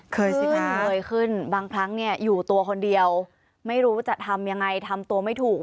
เคยสิคะบางครั้งอยู่ตัวคนเดียวไม่รู้จะทำยังไงทำตัวไม่ถูก